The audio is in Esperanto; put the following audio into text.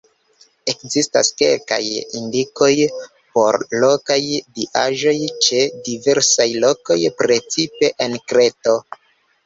Ekzistas kelkaj indikoj por lokaj diaĵoj ĉe diversaj lokoj, precipe en Kreto.